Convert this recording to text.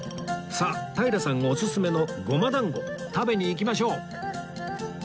さあ平さんオススメのゴマ団子食べに行きましょう